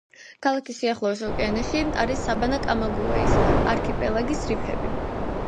ქალაქის სიახლოვეს ოკეანეში, არის საბანა-კამაგუეის არქიპელაგის რიფები.